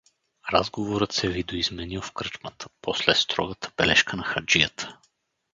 Разговорът се видоизменил в кръчмата после строгата бележка на Хаджията.